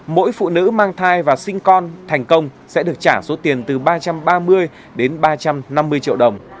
mỗi phụ nữ mang thai và sinh con thành công sẽ được trả số tiền từ ba trăm ba mươi đến ba trăm năm mươi triệu đồng